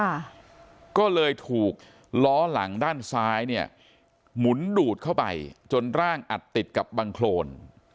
ค่ะก็เลยถูกล้อหลังด้านซ้ายเนี่ยหมุนดูดเข้าไปจนร่างอัดติดกับบังโครน